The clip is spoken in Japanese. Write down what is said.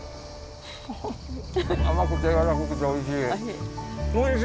甘くてやわらかくておいしい。